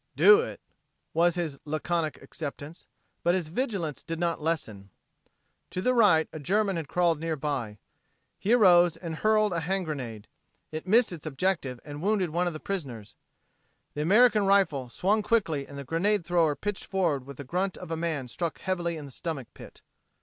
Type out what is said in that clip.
"Do it!" was his laconic acceptance. But his vigilance did not lessen. To the right a German had crawled nearby. He arose and hurled a hand grenade. It missed its objective and wounded one of the prisoners. The American rifle swung quickly and the grenade thrower pitched forward with the grunt of a man struck heavily in the stomach pit.